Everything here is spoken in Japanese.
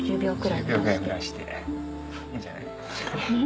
いいんじゃない？